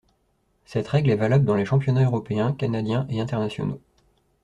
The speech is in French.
Cette règle est valable dans les championnats européens, canadiens et internationaux.